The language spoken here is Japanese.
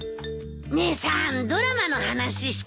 姉さんドラマの話した？